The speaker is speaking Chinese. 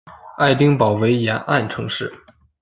爱丁堡为沿岸城市。